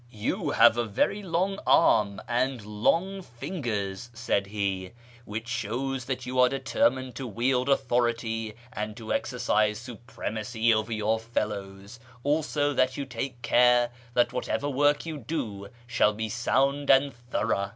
" You have a loug arm and long fingers," said he, " which shows that you are determined to wield authority and to exercise supremacy over your fellows, also that you take care that whatever work you do shall be sound and thorough."